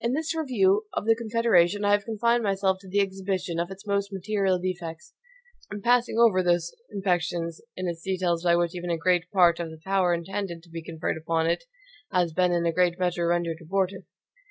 In this review of the Confederation, I have confined myself to the exhibition of its most material defects; passing over those imperfections in its details by which even a great part of the power intended to be conferred upon it has been in a great measure rendered abortive.